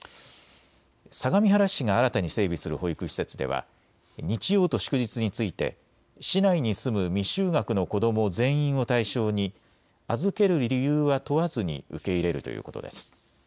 相模原市が新たに整備する保育施設では日曜と祝日について市内に住む未就学の子ども全員を対象に預ける理由は問わずに受け入れるということです。